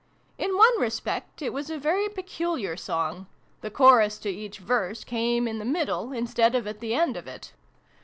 In one respect it was a very peculiar song : the chorus to each verse came in the middle., instead of at the end of it.